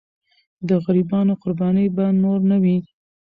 د غریبانو قرباني به نور نه وي.